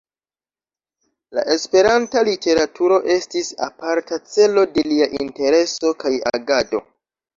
La Esperanta literaturo estis aparta celo de lia intereso kaj agado.